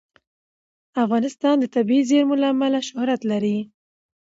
افغانستان د طبیعي زیرمې له امله شهرت لري.